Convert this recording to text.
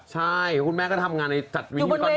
ใช่คุณแม่ก็ทำงานในจัดวินิวตอนดึกด้วยไง